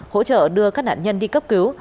hỗ trợ đưa các nạn nhân đi cấp cứu